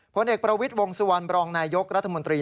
ผลเอกประวิทย์วงสุวรรณบรองนายยกรัฐมนตรี